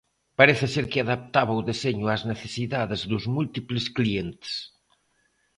Parece ser que adaptaba o deseño ás necesidades dos múltiples clientes.